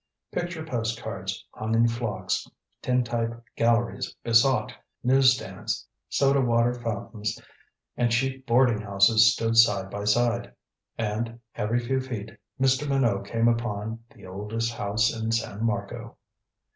Picture post cards hung in flocks, tin type galleries besought, news stands, soda water fountains and cheap boarding houses stood side by side. And, every few feet, Mr. Minot came upon "The Oldest House in San Marco."